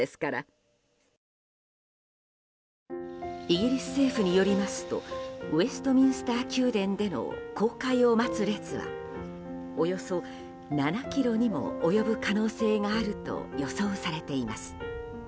イギリス政府によりますとウェストミンスター宮殿での公開を待つ列はおよそ７ｋｍにも及ぶ可能性があると予想されています。